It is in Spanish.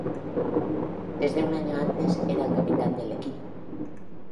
Desde un año antes era el capitán del equipo.